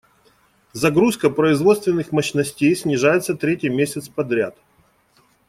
Загрузка производственных мощностей снижается третий месяц подряд.